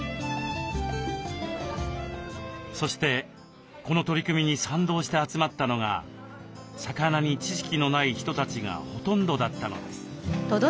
そしてこの取り組みに賛同して集まったのが魚に知識のない人たちがほとんどだったのです。